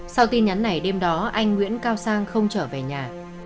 sau tin nhắn này đêm đó anh nguyễn cao sang không trở về nhà